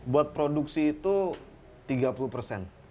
buat produksi itu tiga puluh persen